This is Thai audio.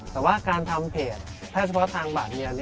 แต่ว่าการทำเพจแพทย์เฉพาะทางบัตรเมีย